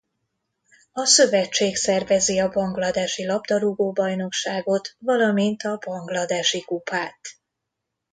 A szövetség szervezi a Bangladesi labdarúgó-bajnokságot valamint a Bangladesi kupát.